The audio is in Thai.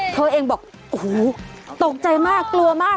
เธอเองบอกโอ้โหตกใจมากกลัวมาก